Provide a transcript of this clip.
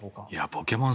「ポケモン」